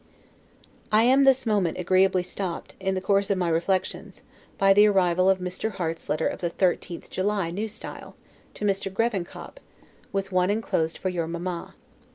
I am this moment agreeably stopped, in the course of my reflections, by the arrival of Mr. Harte's letter of the 13th July, N. S., to Mr. Grevenkop, with one inclosed for your Mamma.